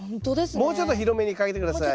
もうちょっと広めにかけて下さい。